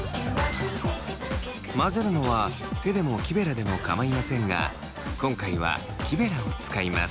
混ぜるのは手でも木ベラでも構いませんが今回は木ベラを使います。